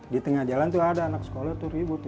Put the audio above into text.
di tengah jalan tuh ada anak sekolah tuh ribut